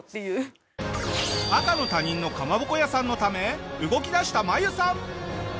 赤の他人のかまぼこ屋さんのため動きだしたマユさん。